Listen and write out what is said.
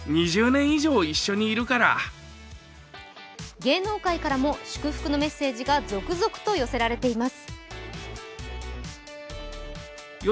芸能界からも祝福のメッセージが続々と寄せられています。